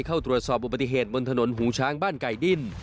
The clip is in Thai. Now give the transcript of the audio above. เข้าตรวจสอบอุบัติเหตุบนถนนหูช้างบ้านไก่ดิ้น